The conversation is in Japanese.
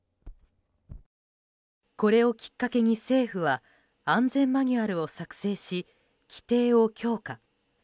これをきっかけに政府は安全マニュアルを作成し規定を強化。